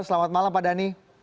selamat malam pak adani